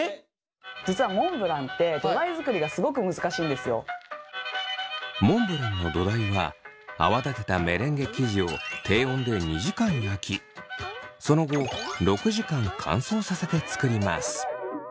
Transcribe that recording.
実はモンブランってモンブランの土台は泡立てたメレンゲ生地を低温で２時間焼きその後６時間乾燥させて作ります。